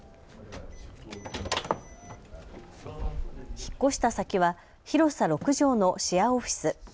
引っ越した先は広さ６畳のシェアオフィス。